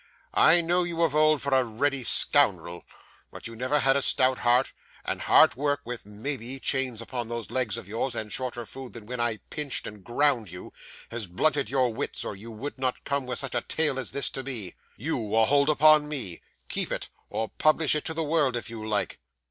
I know you of old for a ready scoundrel, but you never had a stout heart; and hard work, with (maybe) chains upon those legs of yours, and shorter food than when I "pinched" and "ground" you, has blunted your wits, or you would not come with such a tale as this to me. You a hold upon me! Keep it, or publish it to the world, if you like.